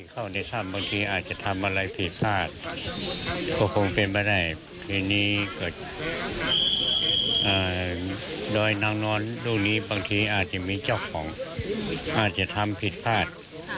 ก็คงเป็นไปได้ทีนี้ก็ด้วยน้องนอนลูกนี้บางทีอาจจะมีเจ้าของอาจจะทำผิดพลาด